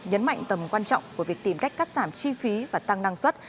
nhấn mạnh tầm quan trọng của việc tìm cách cắt giảm chi phí và tăng năng suất